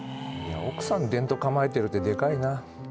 奥さん、でんと構えてるってでかいな。